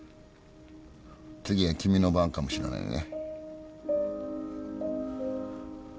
次は君の番かもしれないね。